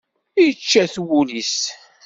Yečča-t wul-is.